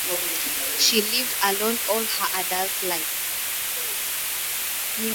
She lived alone all her adult life.